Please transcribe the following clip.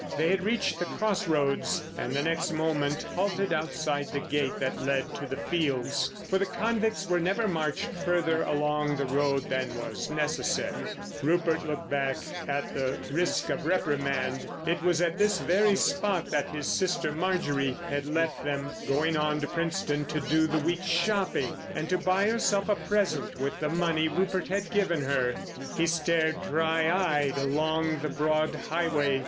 They had reached the cross roads and the next moment halted outside the gate that led to the fields—for the convicts were never marched further along the road than was necessary. Rupert looked back at the risk of reprimand. It was at this very spot that his sister Marjorie had left them, going on into Princetown to do the week's shopping—and to buy herself a present with the money Rupert had given her! He stared dry eyed along the broad highway.